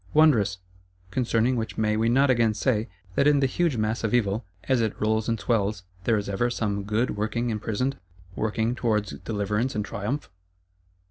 Wondrous! Concerning which may we not again say, that in the huge mass of Evil, as it rolls and swells, there is ever some Good working imprisoned; working towards deliverance and triumph?